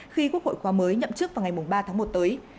khi quốc hội khóa mới nhậm chức vào ngày ba tháng một tới